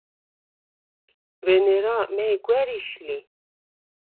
ვენერა მა̈ჲ გვა̈რიშ ლი?